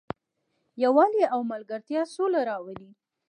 یووالی او ملګرتیا سوله راولي.